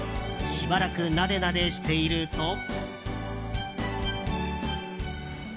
しばらくなでなでしていると。